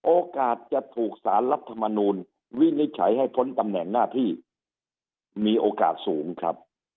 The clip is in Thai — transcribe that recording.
โอกาสจะถูกสารรัฐมนูลวินิจฉัยให้พ้นตำแหน่งหน้าที่มีโอกาสสูงครับ